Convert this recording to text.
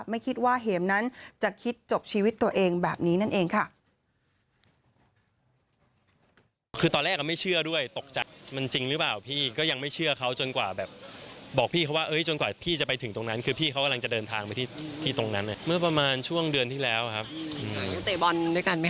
ไม่คิดว่าเห็มนั้นจะคิดจบชีวิตตัวเองแบบนี้นั่นเองค่ะ